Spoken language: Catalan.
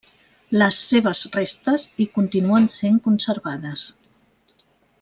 Les seves restes hi continuen sent conservades.